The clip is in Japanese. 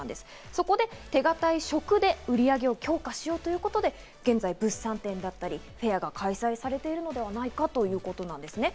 そこで手堅い食で売り上げを強化しようということで、現在、物産展だったりフェアが開催されているのではないかということなんですね。